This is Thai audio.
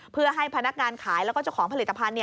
เพื่อให้พนักงานขายแล้วก็เจ้าของผลิตภัณฑ์